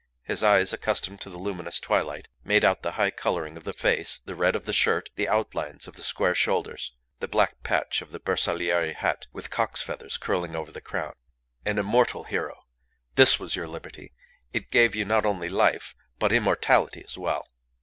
His eyes, accustomed to the luminous twilight, made out the high colouring of the face, the red of the shirt, the outlines of the square shoulders, the black patch of the Bersagliere hat with cock's feathers curling over the crown. An immortal hero! This was your liberty; it gave you not only life, but immortality as well!